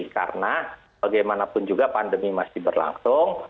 karena bagaimanapun juga pandemi masih berlangsung